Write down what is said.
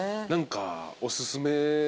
何かおすすめ。